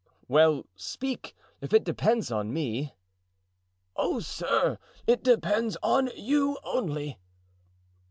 "Well, speak, if it depends on me." "Oh, sir! it depends on you only."